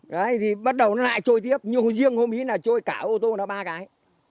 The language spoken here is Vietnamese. đấy thì bắt đầu nó lại trôi tiếp như hồi riêng hôm ý là trôi cả ô tô nó ba cái